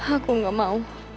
aku gak mau